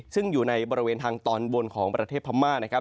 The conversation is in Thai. ซึ่งอยู่ในบริเวณทางตอนบนของประเทศพม่านะครับ